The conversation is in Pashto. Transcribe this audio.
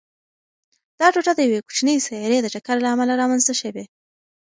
دا ټوټه د یوې کوچنۍ سیارې د ټکر له امله رامنځته شوې.